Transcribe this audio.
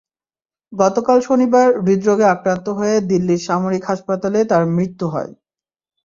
গতকাল শনিবার হৃদ্রোগে আক্রান্ত হয়ে দিল্লির সামরিক হাসপাতালে তাঁর মৃত্যু হয়।